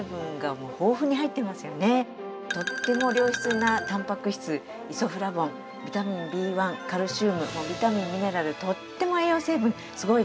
とっても良質なたんぱく質イソフラボンビタミンＢ１カルシウムビタミンミネラル。